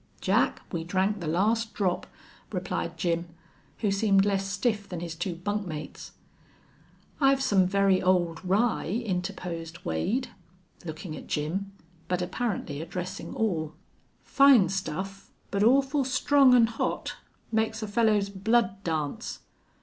"Jack, we drank the last drop," replied Jim, who seemed less stiff than his two bunk mates. "I've some very old rye," interposed Wade, looking at Jim, but apparently addressing all. "Fine stuff, but awful strong an' hot!... Makes a fellow's blood dance."